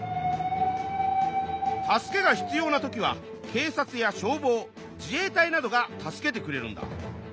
助けが必要な時はけい察や消防自衛隊などが助けてくれるんだ。